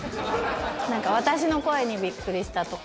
なんか、私の声にびっくりしたとか。